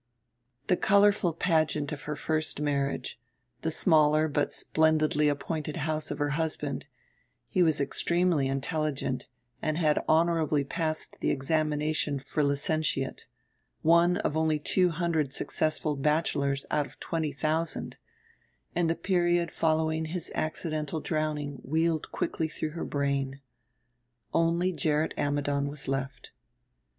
The colorful pageant of her first marriage, the smaller but splendidly appointed house of her husband he was extremely intelligent and had honorably passed the examination for licentiate, one of only two hundred successful bachelors out of twenty thousand and the period following his accidental drowning wheeled quickly through her brain.... Only Gerrit Ammidon was left.